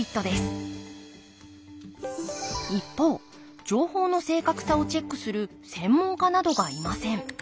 一方情報の正確さをチェックする専門家などがいません。